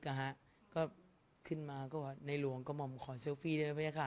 เรื่องลึกอ่ะฮะก็ขึ้นมาก็ว่าในหลวงก็มองขอเซลฟี่ได้ไว้พระยาคา